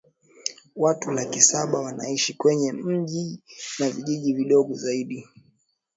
Watu laki saba wanaishi kwenye miji na vijiji vidogo zaidi